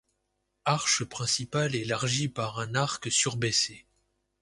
Arche principale élargie par un arc surbaissé.